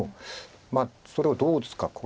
まあそれをどう打つか。